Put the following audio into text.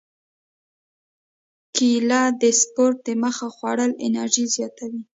کېله د سپورت دمخه خوړل انرژي زیاتوي.